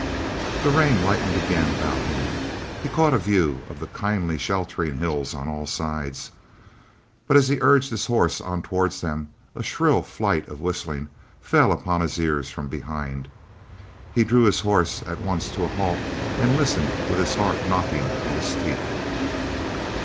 The rain lightened again about him; he caught a view of the kindly, sheltering hills on all sides; but as he urged his horse on towards them a shrill flight of whistling fell upon his ears from behind. He drew his horse at once to a halt and listened with his heart knocking at his teeth.